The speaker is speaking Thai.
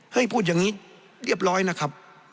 ให้พูดอย่างนี้เรียบร้อยนะครับ